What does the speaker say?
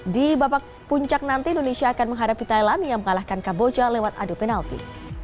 di babak puncak nanti indonesia akan menghadapi thailand yang mengalahkan kamboja lewat adu penalti